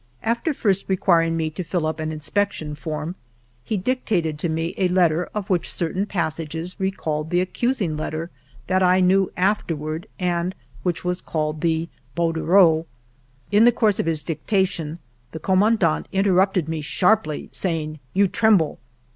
After first requiring me to fill up an inspection form, he dictated to me a letter of which certain passages recalled the accusing letter that I knew after ward, and which was called the bordereau. In the course of his dictation the Commandant inter rupted me sharply, saying :" You tremble."